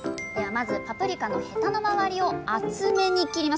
まずパプリカのヘタの周りを厚めに切ります。